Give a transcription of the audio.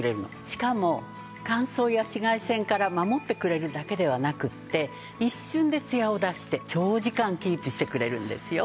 しかも乾燥や紫外線から守ってくれるだけではなくって一瞬でツヤを出して長時間キープしてくれるんですよ。